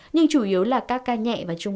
nhưng chủ yếu là các ca nhiễm